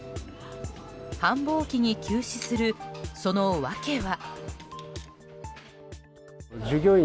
繁忙期に休止する、その訳は？